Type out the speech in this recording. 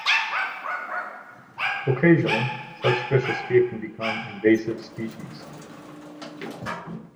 Occasionally, such fish escape and become invasive species.